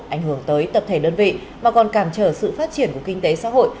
ảnh hưởng tới tập thể đơn vị mà còn cản trở sự phát triển của kinh tế xã hội